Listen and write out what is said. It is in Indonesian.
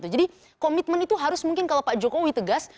jadi komitmen itu harus mungkin kalau pak jokowi tegas